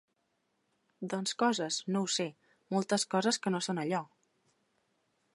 Doncs coses, no ho sé, moltes coses que no són allò.